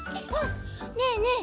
ねえねえ